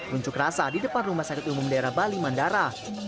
unjuk rasa di depan rumah sakit umum daerah bali mandara